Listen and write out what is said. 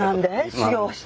修業して？